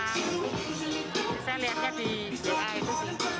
saya lihatnya di da itu